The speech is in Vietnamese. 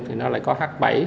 thì nó lại có h bảy